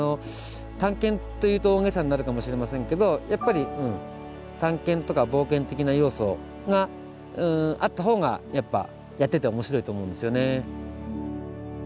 探検というと大げさになるかもしれませんけどやっぱり探検とか冒険的な要素があった方がやってて面白いと思うんですよね。